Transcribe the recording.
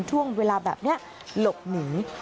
ช่วงเวลาแบบนี้หลบหนี